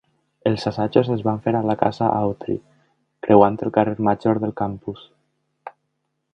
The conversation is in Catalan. Els assajos es van fer a la Casa Autry, creuant el Carrer Major del campus.